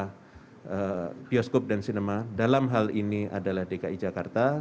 daerah yang akan membuka bioskop dan sinema dalam hal ini adalah dki jakarta